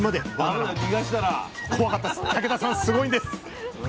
すごいんです！